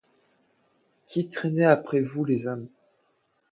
Qui traînez après vous les âmes